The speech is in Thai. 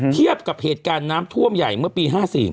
เทียบกับเหตุการณ์น้ำท่วมใหญ่เมื่อปี๕๔